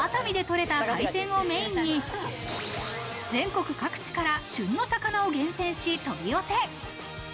伊豆や熱海でとれた海鮮をメインに、全国各地から旬の魚を厳選し取り寄せ。